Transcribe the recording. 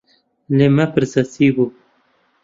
لێم مەپرسە چی بوو.